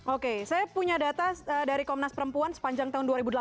oke saya punya data dari komnas perempuan sepanjang tahun dua ribu delapan belas